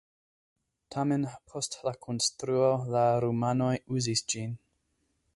Tamen post la konstruo la rumanoj uzis ĝin.